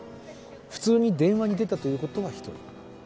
普通に電話に出たということは一人。